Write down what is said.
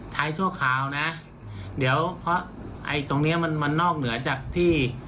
ชั่วคราวนะเดี๋ยวเพราะไอ้ตรงเนี้ยมันมันนอกเหนือจากที่